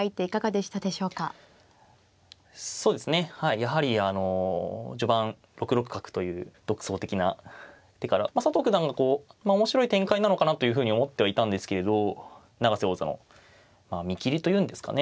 やはりあの序盤６六角という独創的な手から佐藤九段がこう面白い展開なのかなというふうに思ってはいたんですけど永瀬王座の見切りというんですかね